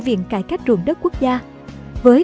viện cải cách ruộng đất quốc gia với